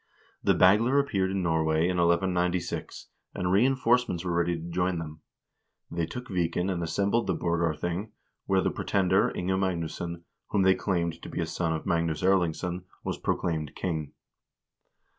The Bagler appeared in Norway in 1196, and reinforcements were ready to join them. They took Viken and assembled the Borgar thing, where the pretender Inge Magnusson, whom they claimed to be a son of Magnus Erlingsson, was proclaimed king.